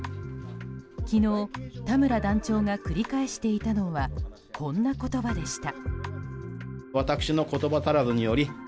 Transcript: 昨日、田村団長が繰り返していたのはこんな言葉でした。